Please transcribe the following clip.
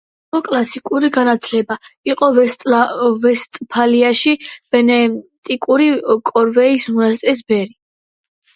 მიიღო კლასიკური განათლება, იყო ვესტფალიაში ბენედიქტური კორვეის მონასტრის ბერი.